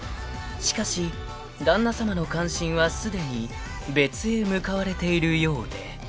［しかし旦那さまの関心はすでに別へ向かわれているようで］